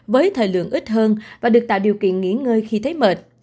với thời lượng ít hơn và được tạo điều kiện nghỉ ngơi khi thấy mệt